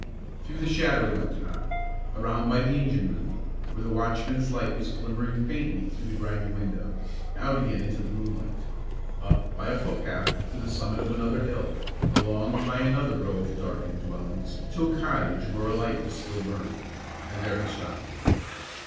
Through the shadow went Tom, around by the engine room, where the watchman's light was glimmering faintly through the grimy window; out again into the moonlight, up, by a foot path, to the summit of another hill, along by another row of darkened dwellings, to a cottage where a light was still burning, and there he stopped.